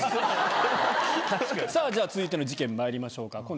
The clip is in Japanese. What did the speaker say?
さぁじゃあ続いての事件まいりましょうか。